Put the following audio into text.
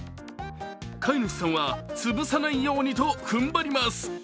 飼い主さんは、つぶさないようにと踏ん張ります。